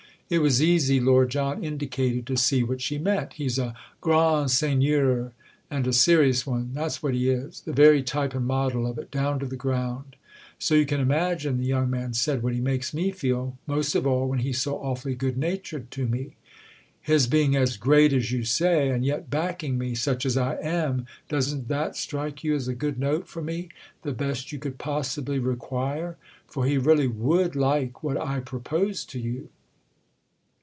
It was easy, Lord John indicated, to see what she meant "He's a grand seigneur, and a serious one—that's what he is: the very type and model of it, down to the ground. So you can imagine," the young man said, "what he makes me feel—most of all when he's so awfully good natured to me. His being as 'great' as you say and yet backing me—such as I am!—doesn't that strike you as a good note for me, the best you could possibly require? For he really would like what I propose to you."